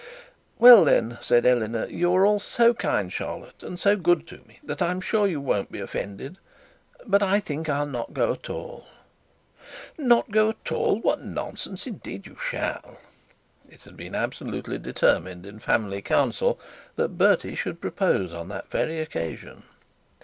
'Well, then,' said Eleanor, 'you are all so kind, Charlotte, and so good to me, that I am sure you won't be offended; but I think I shall not go at all.' 'Not go at all! what nonsense! indeed you shall.' it had been absolutely determined in family council that Bertie should propose on that very occasion.